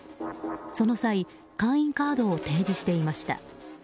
その際、会員カードを提示していました。